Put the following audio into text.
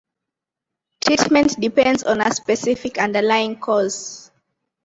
Treatment depends on a specific underlying cause.